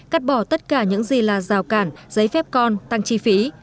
cắt bỏ tất cả những gì là rào cản giấy phép con tăng chi phí